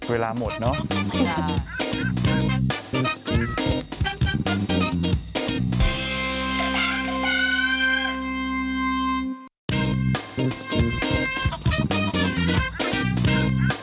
เวลาหมดนะ